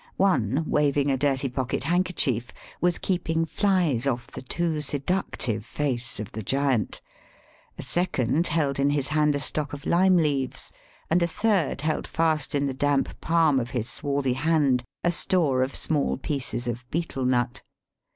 One, waving a dirty pocket handkerchief, was keeping flies off the toa seductive face of the giant; a second held in his hand a stock of Ume leaves ; and a third held fast in the damp palm of his swarthy hand a store of small pieces of betel nut.